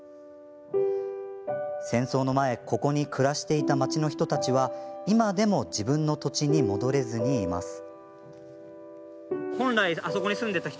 戦争の前ここに暮らしていた町の人たちは今でも自分の土地に戻れずにいます。